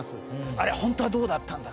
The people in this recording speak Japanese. あれホントはどうだったんだ？